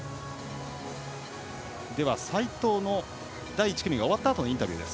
齋藤の第１組が終わったあとのインタビューです。